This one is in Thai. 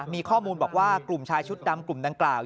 มีข้อมูลบอกว่ากลุ่มชายชุดดำกลุ่มดังกล่าว